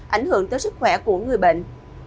ảnh hưởng tới sức khỏe của người bệnh